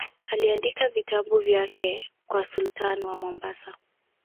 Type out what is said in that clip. Aliandika vitabu vyake kwa sultani wa Mombasa.